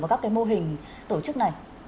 vào các cái mô hình tổ chức này